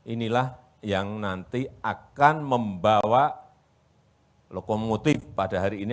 inilah yang nanti akan membawa lokomotif pada hari ini